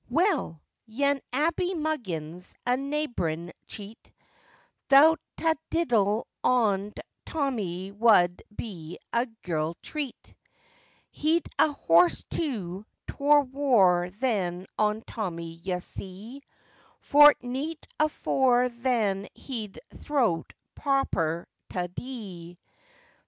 Well! yan Abey Muggins, a neighborin cheat, Thowt ta diddle ond Tommy wad be a girt treat; Hee'd a horse, too, 'twor war than ond Tommy's, ye see, Fort' neet afore that hee'd thowt proper ta dee!